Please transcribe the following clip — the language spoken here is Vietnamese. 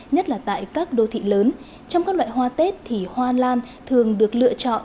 nhất là tại các đô thị lớn trong các loại hoa tết thì hoa lan thường được lựa chọn